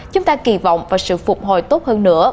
chúng ta kỳ vọng vào sự phục hồi tốt hơn nữa